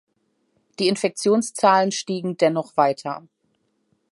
Die Infektionszahlen stiegen dennoch weiter.